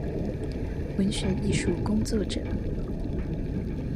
文學藝術工作者